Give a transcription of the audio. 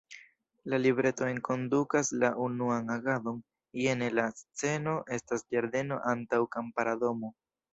La libreto enkondukas la "unuan agadon" jene: „La sceno estas ĝardeno antaŭ kampara domo.